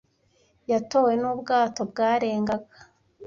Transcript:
Yatowe n'ubwato bwarengaga.